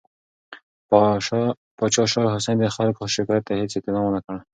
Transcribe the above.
پاچا شاه حسین د خلکو شکایت ته هیڅ اعتنا ونه کړه.